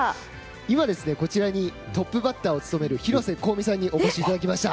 今、こちらにトップバッターを務める広瀬香美さんにお越しいただきました。